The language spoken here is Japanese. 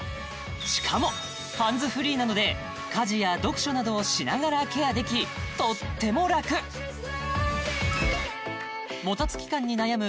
しかもハンズフリーなので家事や読書などをしながらケアできとっても楽もたつき感に悩む